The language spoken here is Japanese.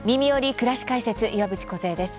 くらし解説」岩渕梢です。